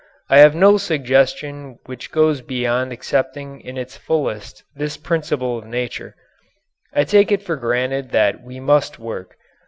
I have no suggestion which goes beyond accepting in its fullest this principle of nature. I take it for granted that we must work.